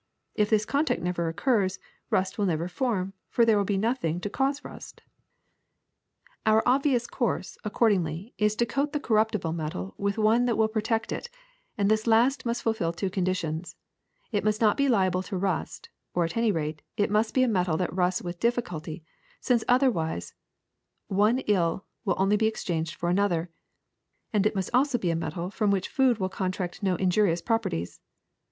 If this contact never occurs, rust will never form, for there will be nothing to cause rust. 162 TIN PLATING 163 Our obvious course, accordingly, is to coat the corruptible metal with one that will protect it, and this last must fulfil two conditions : it must not be liable to rust; or, at any rate, it must be a metal that rusts with difficulty, since otherwise one ill would only be exchanged for another; and it must also be a metal from which food will contract no injurious properties.